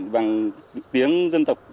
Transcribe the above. bằng tiếng dân tộc